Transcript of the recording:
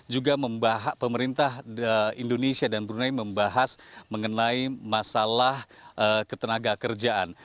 juga pemerintah indonesia dan brunei membahas mengenai masalah ketenaga kerjaan